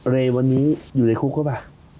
เรย์วันนี้อยู่ในคุกหรือเปล่า